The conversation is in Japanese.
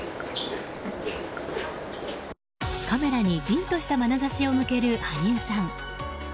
カメラに凛としたまなざしを向ける羽生さん。